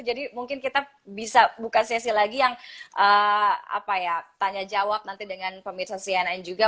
jadi mungkin kita bisa buka sesi lagi yang tanya jawab nanti dengan pemirsa cnn juga